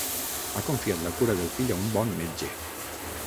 Ha confiat la cura del fill a un bon metge.